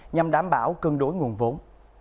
nhằm đảm bảo cân đối nguồn vốn